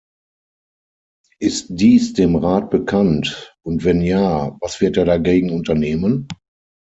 Ist dies dem Rat bekannt, und wenn ja, was wird er dagegen unternehmen?